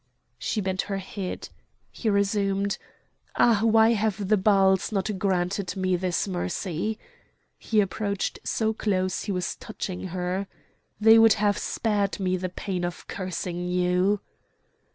She bent her head. He resumed: "Ah! why have the Baals not granted me this mercy!" He approached so close he was touching her. "They would have spared me the pain of cursing you!"